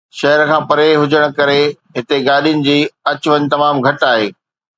شهر کان پري هجڻ ڪري هتي گاڏين جي اچ وڃ تمام گهٽ آهي.